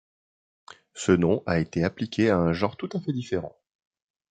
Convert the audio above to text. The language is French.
Ce nom a été appliqué à un genre tout à fait différent.